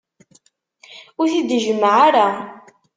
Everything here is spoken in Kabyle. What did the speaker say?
Ur t-id-jemmε ara.